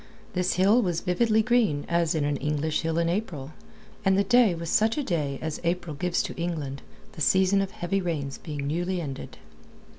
This hill was vividly green as is an English hill in April, and the day was such a day as April gives to England, the season of heavy rains being newly ended.